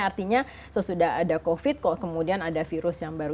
artinya sesudah ada covid kok kemudian ada virus yang baru